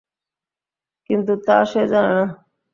কিন্তু তা সে জানে না!